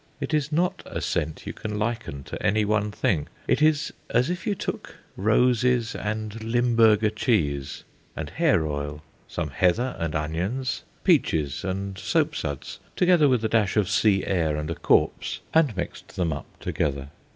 It is not a scent you can liken to any one thing. It is as if you took roses and Limburger cheese and hair oil, some heather and onions, peaches and soapsuds, together with a dash of sea air and a corpse, and mixed them up together.